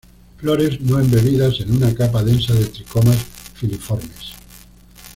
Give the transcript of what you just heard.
Flores no embebidas en una capa densa de tricomas filiformes.